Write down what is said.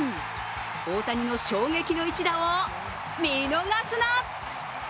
大谷の衝撃の一打を見逃すな！